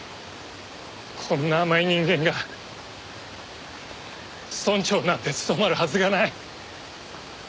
こんな甘い人間が村長なんて務まるはずがない。